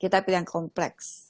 kita pilih yang kompleks